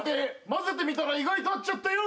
混ぜてみたら意外と合っちゃったよ